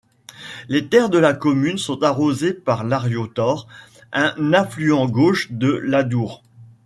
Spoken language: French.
Les terres de la commune sont arrosées par l'Arrioutor, un affluent gauche de l'Adour.